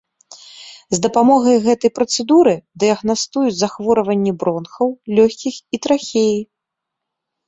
З дапамогай гэтай працэдуры дыягнастуюць захворванні бронхаў, лёгкіх і трахеі.